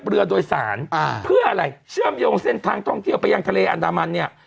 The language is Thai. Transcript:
เรือโดยสารอ่าเพื่ออะไรเชื่อมโยงเส้นทางท่องเที่ยวไปยังทะเลอันดามันเนี่ย